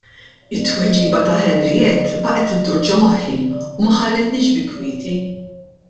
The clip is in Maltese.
It-tweġiba ta' Henriette baqgħet iddur ġo moħħi u ma ħallitnix bi kwieti.